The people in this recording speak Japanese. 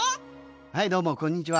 はいどうもこんにちは。